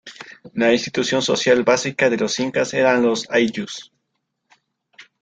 La institución social básica de los incas eran los "ayllus".